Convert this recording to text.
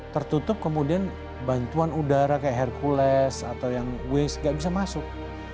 tertutup kemudian bantuan udara seperti hercules atau yang waze tidak bisa masuk